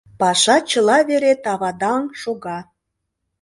Паша чыла вере тавадаҥ шога.